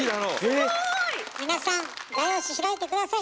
すごい！皆さん画用紙開いて下さい。